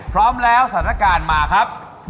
พร้อมแล้วสถานการณ์มาครับ